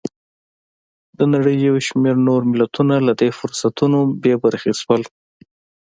د نړۍ یو شمېر نور ملتونه له دې فرصتونو بې برخې شول.